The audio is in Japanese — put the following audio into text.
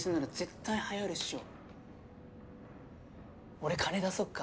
俺金出そっか？